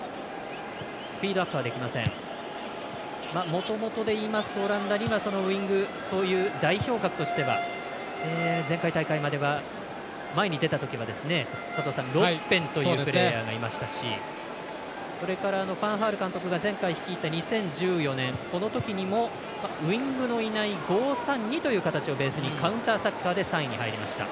もともとでいいますとオランダにはそのウイングという代表格としては前回大会までは、前に出たときは佐藤さん、ロッベンというプレーヤーがいましたしそれからファン・ハール監督が前回率いた２０１４年このときにもウイングのいない５‐３‐２という形をベースにカウンターサッカーで３位に入りました。